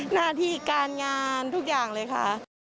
หน้าที่การงานทุกอย่างเลยค่ะ